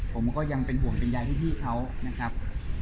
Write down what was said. ผมก็ยังเป็นห่วงเป็นยายพี่เขานะครับ